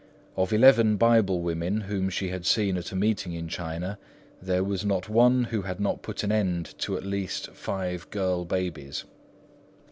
Of eleven Bible women whom she had seen at a meeting in China, there was not one who had not put an end to at least five girl babies."